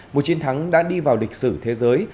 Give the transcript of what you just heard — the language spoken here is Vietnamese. một chiến thắng đã đi vào lịch sử thế giới